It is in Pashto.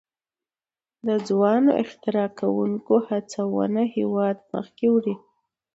د ځوانو اختراع کوونکو هڅونه هیواد مخکې وړي.